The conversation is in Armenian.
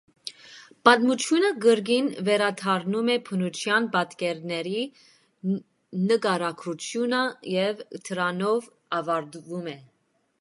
Պատմությունը կրկին վերադառնում է բնության պատկերների նկարագրությանը և դրանով ավարտվում է։